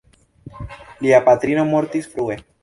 Lia patrino mortis frue.